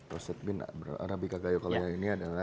roasted bean arabica gayo kalau ini adalah